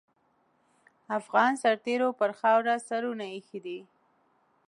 افغان سرتېرو پر خاوره سرونه اېښي دي.